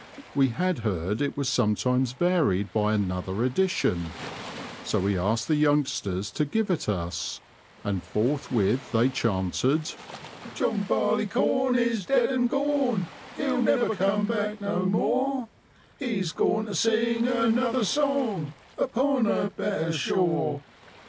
We had heard it was sometimes varied by another edition, so we a&ked the youngsters to give it us ; and forthwith they chanted —" John Barleycorn is dead and gone ; He'll never come back no more ; He's gone to sing another song Upon a better shore.